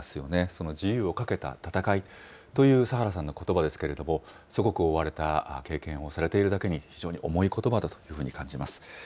その自由を懸けた戦いというサハラさんのことばですけれども、祖国を追われた経験をされているだけに、非常に重いことばだというふうに感じます。